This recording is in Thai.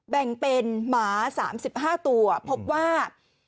แบ่งเป็นหมา๓๕ตัวพบว่า